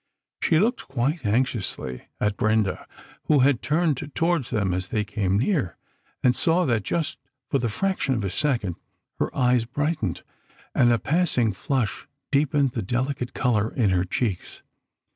She looked quite anxiously at Brenda, who had turned towards them as they came near, and saw that, just for the fraction of a second, her eyes brightened, and a passing flush deepened the delicate colour in her cheeks.